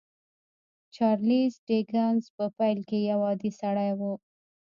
چارليس ډيکنز په پيل کې يو عادي سړی و.